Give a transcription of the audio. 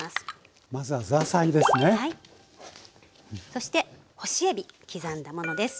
そして干しえび刻んだものです。